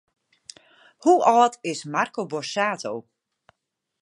Hoe âld is Marco Borsato?